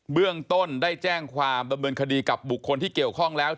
เบื้องต้นได้แจ้งความบำเนินคดีกับบุคคลที่เกี่ยวข้องแล้ว